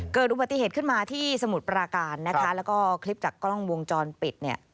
เกิดอุบัติเหตุขึ้นมาที่สมุทรปราการนะคะแล้วก็คลิปจากกล้องวงจรปิดเนี่ย